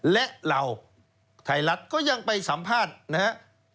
และเราไทยรัฐก็ยังไปสัมภาษณ์นะครับ